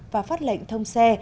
và phát lệnh thông xe